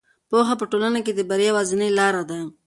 پوهه په ټولنه کې د بریا یوازینۍ لاره ده.